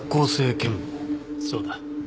そうだ。